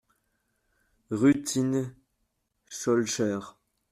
Rue Thine, Schœlcher